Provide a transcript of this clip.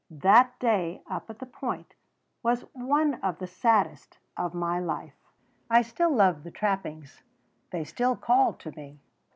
That day up at the Point was one of the saddest of my life. I still loved the trappings. They still called to me.